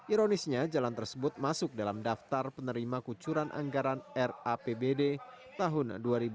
ironisnya jalan tersebut masuk dalam daftar penerima kucuran anggaran rapbd tahun dua ribu dua puluh